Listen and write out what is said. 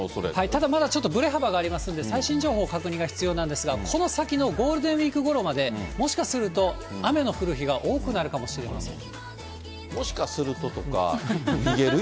ただまだちょっとぶれ幅がありますので、最新情報、確認が必要なんですが、この先のゴールデンウィークごろまで、もしかすると雨の降る日が多くなるかもしれません。